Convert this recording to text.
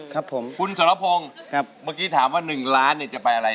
ครับผมคุณสรพงศ์ครับเมื่อกี้ถามว่า๑ล้านเนี่ยจะไปอะไร